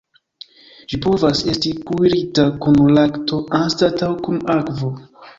Ĝi povas esti kuirita kun lakto anstataŭ kun akvo.